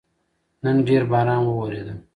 نن ډېر باران وورېده